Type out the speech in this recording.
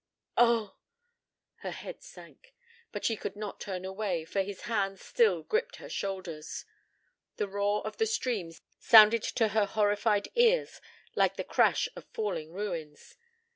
"Oh!" Her head sank. But she could not turn away, for his hands still gripped her shoulders. The roar of the stream sounded to her horrified ears like the crash of falling ruins.